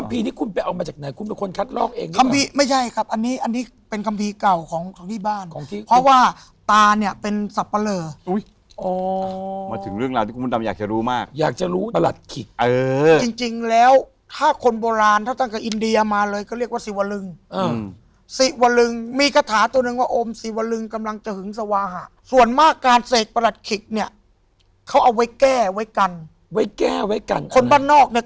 ทีนี้คุณไปเอามาจากไหนคุณเป็นคนคัดลอกเองคำพีไม่ใช่ครับอันนี้อันนี้เป็นคำพีเก่าของของที่บ้านของที่เพราะว่าตาเนี้ยเป็นสับปะเรออุ้ยอ๋อมาถึงเรื่องราวที่คุณดำอยากจะรู้มากอยากจะรู้ประหลัดขิกเออจริงจริงแล้วถ้าคนโบราณถ้าตั้งแต่อินเดียมาเลยก็เรียกว่าสิวลึงอืมสิวลึงมีกระถาตัวหนึ่